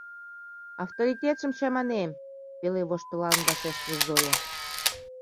Авторитетшым чаманем! — пеле воштылалын вашештыш Зоя.